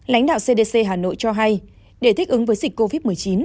lãnh đạo cdc hà nội cho hay để thích ứng với dịch covid một mươi chín